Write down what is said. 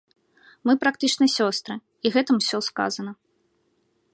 Мы практычна сёстры, і гэтым усё сказана.